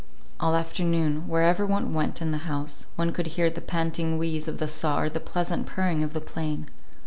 All afternoon, wherever one went in the house, one could hear the panting wheeze of the saw or the pleasant purring of the plane.